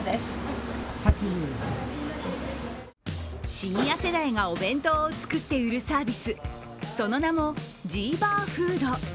シニア世代がお弁当を作って売るサービス、その名もジーバーフード。